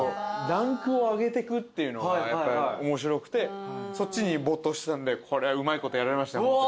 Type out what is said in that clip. ランクを上げてくっていうのが面白くてそっちに没頭してたんでこれはうまいことやられました親にね。